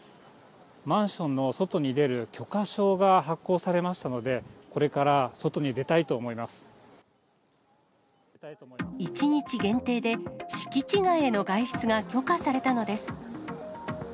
マンションの外に出る許可証が発行されましたので、これから外に１日限定で、敷地外への外出が許可されたのです。